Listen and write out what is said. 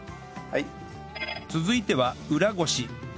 続いては裏ごし